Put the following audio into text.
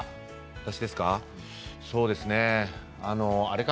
私ですか？